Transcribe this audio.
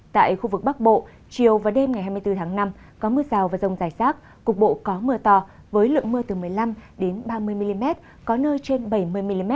tại khu vực bắc bộ chiều và đêm ngày hai mươi bốn tháng năm có mưa rào và rông rải rác cục bộ có mưa to với lượng mưa từ một mươi năm ba mươi mm có nơi trên bảy mươi mm